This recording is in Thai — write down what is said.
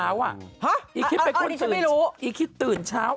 อ้าวอันนี้ฉันไม่รู้อีกคิดเป็นคนตื่นเช้า